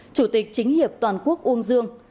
chủ tịch chính hiệp toàn quốc uông dương